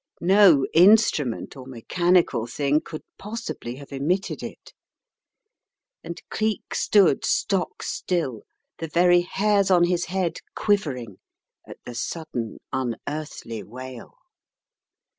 No instrument or mechanical thing could possibly have emitted it, and Cleek stood stock still, the very hairs on his head quivering at the sudden unearthly wail.